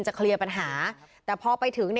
เคลียร์ปัญหาแต่พอไปถึง